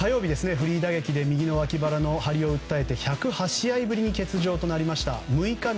フリー打撃で右脇腹の張りを訴え１０８試合ぶりに欠場となりました。